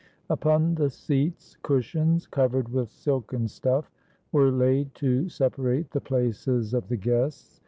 Upon the seats, cushions, covered with silken stuff, were laid to separate the places of the guests.